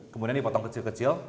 kemudian dipotong kecil kecil